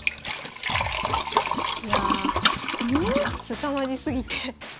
いやすさまじすぎて。